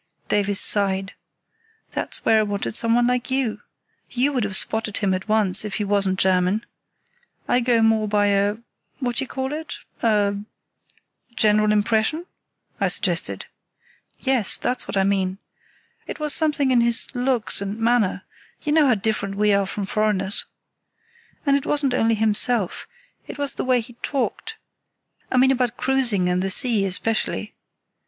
Davies sighed. "That's where I wanted someone like you. You would have spotted him at once, if he wasn't German. I go more by a—what do you call it?—a——" "General impression," I suggested. "Yes, that's what I mean. It was something in his looks and manner; you know how different we are from foreigners. And it wasn't only himself, it was the way he talked—I mean about cruising and the sea, especially.